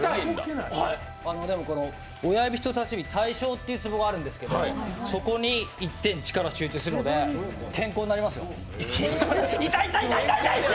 親指・人さし指にたいしょうっていうツボがあるんですけど、そこに一点力を集中しますので、健康になりますよ。